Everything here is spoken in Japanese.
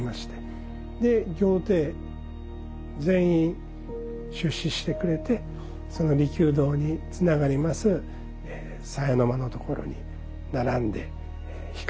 で業躰全員出仕してくれてその利休堂につながります鞘の間のところに並んで控えてくれます。